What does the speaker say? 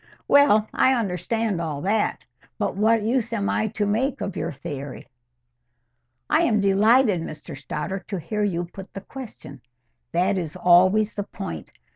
"Well, I understand all that. But what use am I to make of your theory?" "I am delighted, Mr Stoddart, to hear you put the question. That is always the point.